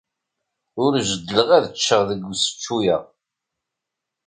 Ur jeddleɣ ad ččeɣ deg usečču-a.